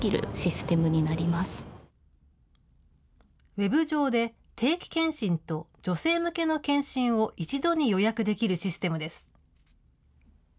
ウェブ上で、定期健診と女性向けの検診を一度に予約できるシステムです。